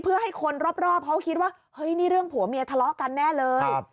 เพื่อให้คนรอบเขาคิดว่าเฮ้ยนี่เรื่องผัวเมียทะเลาะกันแน่เลย